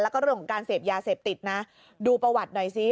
แล้วก็เรื่องของการเสพยาเสพติดนะดูประวัติหน่อยซิ